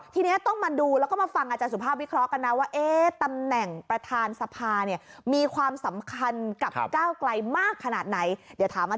ทีนี้ต้องมาดูแล้วก็มาฟังอาจารย์สุภาพวิเคราะห์กันนะ